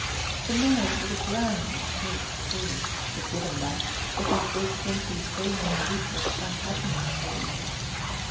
The marriage was a grand mistake, true, but given that, was not this simply so many weeks of unhappiness saved?